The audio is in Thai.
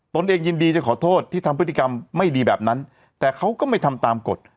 ตนเองยินดีจะขอโทษที่ทำพฤติกรรมไม่ดีแบบนั้นแต่เขาก็ไม่ทำตามกฎ